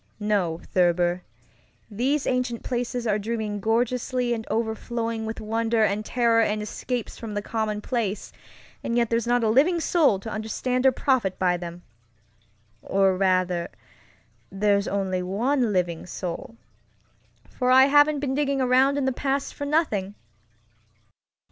No, Thurber, these ancient places are dreaming gorgeously and overflowing with wonder and terror and escapes from the commonplace, and yet there's not a living soul to understand or profit by them. Or, rather, there's only one living soulŌĆöfor I haven't been digging around in the past for nothing!